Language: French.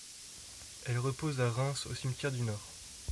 Elle repose à Reims au cimetière du Nord.